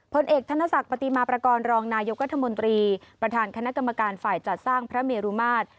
ผลเอกธนศักดิ์ปฏิมาประกอบรองนายกรัฐมนตรีประธานคณะกรรมการฝ่ายจัดสร้างพระเมรุมาตร